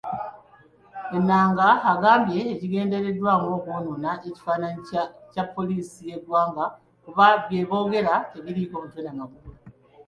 Ennanga agambye kigendereddwamu kwonoona kifaananyi kya poliisi y'eggwanga kuba byeboogera tebiriiko mutwe na magulu.